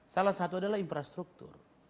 salah satu adalah infrastruktur